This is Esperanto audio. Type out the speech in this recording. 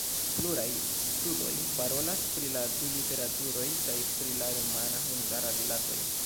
Pluraj studoj parolas pri la du literaturoj kaj pri la rumana-hungara rilatoj.